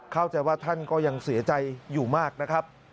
เข้าใจว่าท่านก็ยังเสียใจอยู่มากนะครับ